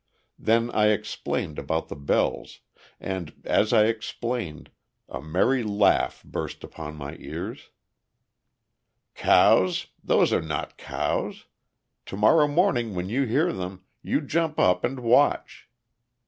Then I explained about the bells, and as I explained, a merry laugh burst upon my ears. "Cows? Those are not cows. To morrow morning when you hear them, you jump up and watch."